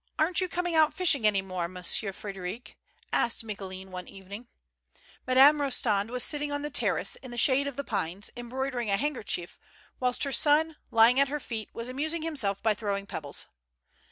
^^ A REN'T you coming out fishing any more, Mon .XTX. sieur Frdderic? '' asked Micoulin one evening. Madame Rostand was sitting on the terrace in the shade of the pines, embroidering a handkerchief, whilst her son, lying at her feet, was amusing himself by throw ing pebbles.